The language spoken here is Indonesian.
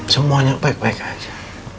semuanya baik baik aja